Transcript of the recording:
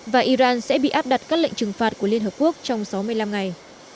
và iran sẽ bị áp đặt các lệnh trừng phạt của liên hợp quốc trong sáu mươi năm ngày